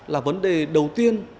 là vấn đề đầu tiên